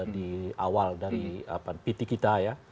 di awal dari pt kita ya